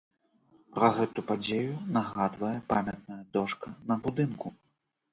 Пра гэту падзею нагадвае памятная дошка на будынку.